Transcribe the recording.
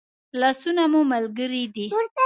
لاسونه مو ملګري دي